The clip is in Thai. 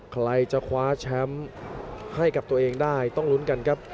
ใครจะคว้าแชมป์ให้กับตัวเองได้ต้องลุ้นกันครับ